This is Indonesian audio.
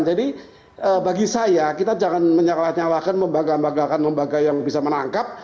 jadi bagi saya kita jangan menyakalakan lembaga lembaga yang bisa menangkap